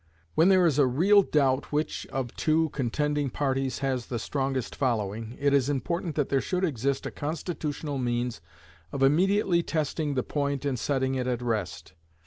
When there is a real doubt which of two contending parties has the strongest following, it is important that there should exist a constitutional means of immediately testing the point and setting it at rest.